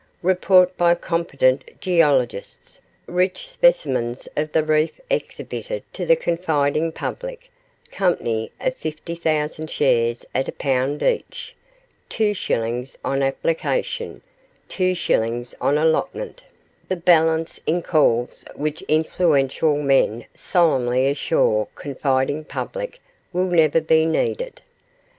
Report by competent geologists; rich specimens of the reef exhibited to the confiding public; company of fifty thousand shares at a pound each; two shillings on application; two shillings on allotment; the balance in calls which influential men solemnly assure confiding public will never be needed.